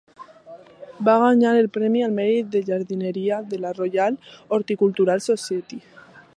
Va guanyar el premi al mèrit de jardineria de la Royal Horticultural Society.